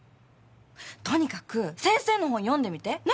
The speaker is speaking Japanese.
とにかく先生の本読んでみて！ね？